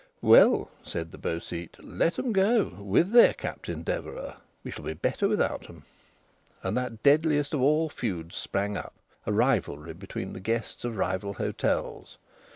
"Well," said the Beau Site, "let 'em go! With their Captain Deverax! We shall be better without 'em!" And that deadliest of all feuds sprang up a rivalry between the guests of rival hotels.